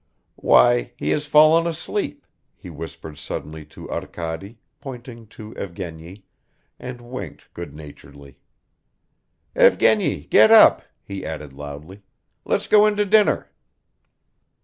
"Why, he has fallen asleep," he whispered suddenly to Arkady, pointing to Evgeny, and winked good naturedly. "Evgeny, get up!" he added loudly. "Let's go in to dinner."